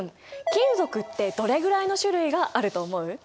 金属ってどれぐらいの種類があると思う？